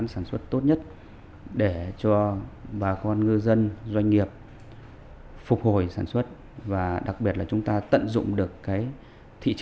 đang có nhu cầu rất lớn để phục vụ hệ thống siêu thị